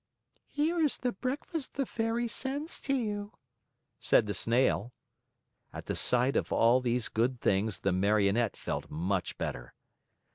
"Here is the breakfast the Fairy sends to you," said the Snail. At the sight of all these good things, the Marionette felt much better.